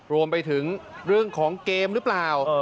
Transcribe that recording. รวมไปถึงเรื่องของเกมหรือเปล่า